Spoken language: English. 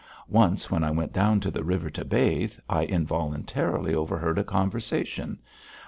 Once when I went down to the river to bathe I involuntarily overheard a conversation.